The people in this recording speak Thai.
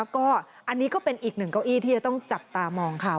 ก็อันนี้ก็เป็นอีกหนึ่งเก้าอี้ที่จะต้องจับตามองค่ะ